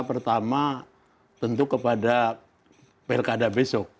pertama tentu kepada pilkada besok